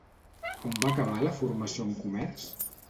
On va acabar la formació en Comerç?